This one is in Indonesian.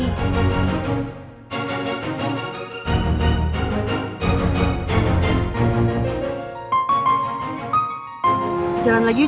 harusnya kan dia tau